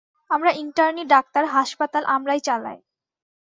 আমরা ইন্টানি ডাক্তার হাসপাতাল আমরাই চালাই।